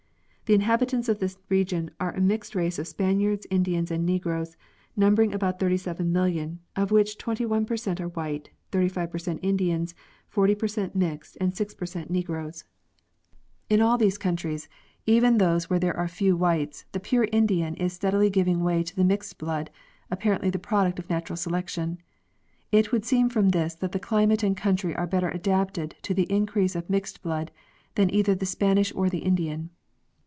The inhabitants of this region are a mixed race of Spaniards, Indians, and Negroes, numbering about 37,000,000, of which 21 percent are white, 35 percent Indians, 40 percent mixed, and 6 percent Negroes. In ee The Decadence of the Savage. 19 all these countries, even those where there are few whites, the pure Indian is steadily giving away to the mixed blood, appar ently the product of natural selection. It would seem from this that the climate and country are better adapted to the increase of mixed blood than either the Spanish or the Indian.